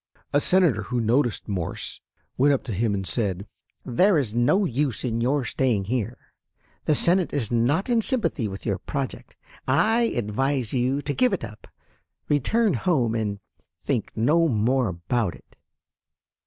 A Senator who noticed Morse went up to him and said: "There is no use in your staying here. The Senate is not in sympathy with your project. I advise you to give it up, return home, and think no more about it."